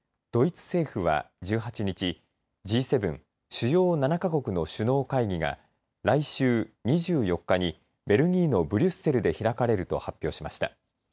ドイツ政府は１８日Ｇ７、主要７か国の首脳会議が来週２４日にベルギーのブリュッセルで開かれると発表しました。